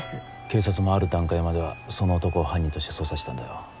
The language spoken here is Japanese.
警察もある段階まではその男を犯人として捜査してたんだよ。